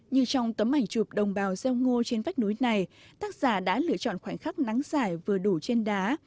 như trong tấm ảnh chụp đồng bào gieo ngô trên vách núi này tác giả đã lựa chọn khoảnh khắc nắng giải vừa đủ trên đá